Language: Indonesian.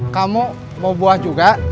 kamu mau buah juga